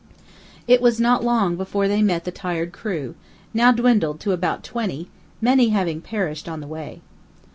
It was not long before they met the tired crew, now dwindled to about twenty, many having perished on the way.